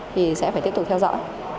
thì sẽ phải tiếp tục theo dõi